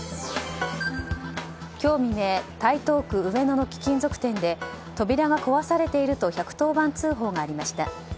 今日未明台東区上野の貴金属店で扉が壊されていると１１０番通報がありました。